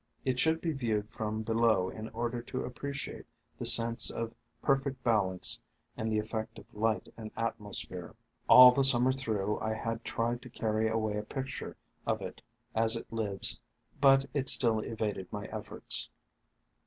It should be viewed from below in order to appreciate the sense of perfect balance and the effect of light and atmosphere. All the summer through I had tried to carry away a picture of it as it lives, but it still evaded my efforts.